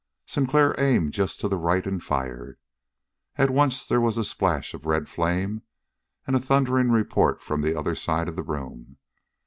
Sinclair aimed just to the right and fired. At once there was a splash of red flame and a thundering report from the other side of the room.